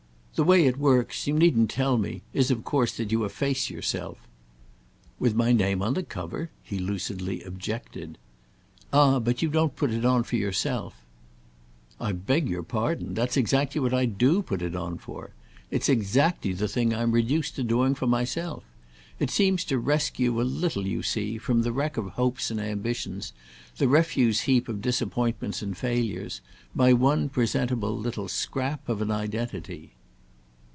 "The way it works—you needn't tell me!—is of course that you efface yourself." "With my name on the cover?" he lucidly objected. "Ah but you don't put it on for yourself." "I beg your pardon—that's exactly what I do put it on for. It's exactly the thing that I'm reduced to doing for myself. It seems to rescue a little, you see, from the wreck of hopes and ambitions, the refuse heap of disappointments and failures, my one presentable little scrap of an identity."